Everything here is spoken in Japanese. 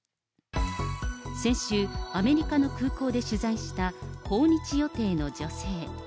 先週、アメリカの空港で取材した訪日予定の女性。